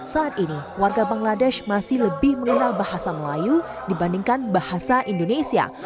saat ini warga bangladesh masih lebih mengenal bahasa melayu dibandingkan bahasa indonesia